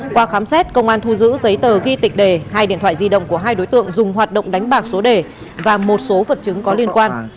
qua khám xét công an thu giữ giấy tờ ghi tịch đề hai điện thoại di động của hai đối tượng dùng hoạt động đánh bạc số đề và một số vật chứng có liên quan